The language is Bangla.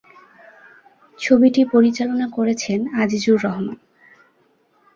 ছবিটি পরিচালনা করেছেন আজিজুর রহমান।